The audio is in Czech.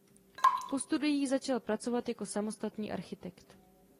Po studiích začal pracovat jako samostatný architekt.